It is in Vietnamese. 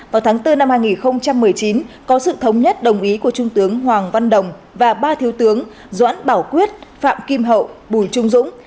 vào tháng bốn năm hai nghìn một mươi chín có sự thống nhất đồng ý của trung tướng hoàng văn đồng và ba thiếu tướng doãn bảo quyết phạm kim hậu bùi trung dũng